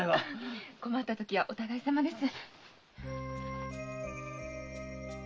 困った時はお互いさまです。